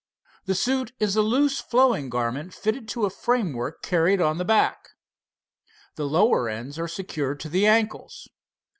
The suit is a loose flowing garment fitted to a framework carried on the back. The lower ends are secured to the ankles.